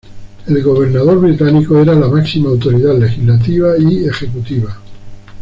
El gobernador británico era la máxima autoridad legislativa y ejecutiva.